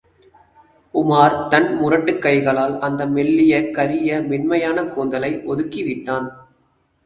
உமார் தன் முரட்டுக் கைகளால், அந்த மெல்லிய கரிய மென்மையான கூந்தலை ஒதுக்கிவிட்டான்.